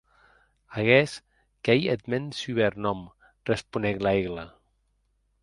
Aguest qu’ei eth mèn subernòm, responec Laigle.